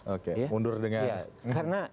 oke mundur dengan